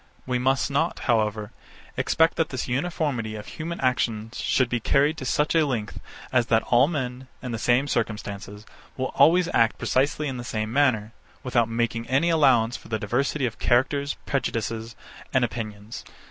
66. We must not, however, expect that this uniformity of human actions should be carried to such a length as that all men, in the same circumstances, will always act precisely in the same manner, without making any allowance for the diversity of characters, prejudices, and opinions.